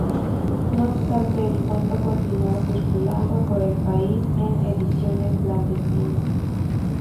No obstante, el cuento continuó circulando por el país en ediciones clandestinas.